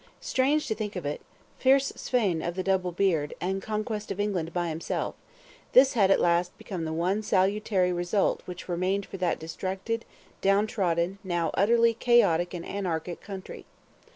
Strange to think of, fierce Svein of the Double beard, and conquest of England by him; this had at last become the one salutary result which remained for that distracted, down trodden, now utterly chaotic and anarchic country.